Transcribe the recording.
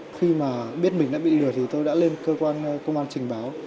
khi mà biết mình đã bị lừa thì tôi đã lên cơ quan công an trình báo